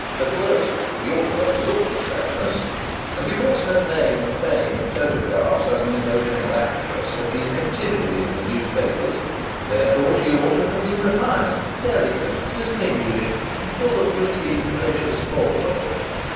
At worst, she ought to have looked famous. And, because her name and fame and photographs as an emotional actress had been continually in the newspapers, therefore she ought to have been refined, delicate, distinguished and full of witty and gracious small talk.